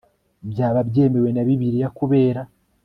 byaba byemewe na bibiliya, kubera